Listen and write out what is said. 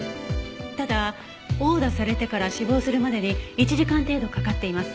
ただ殴打されてから死亡するまでに１時間程度かかっています。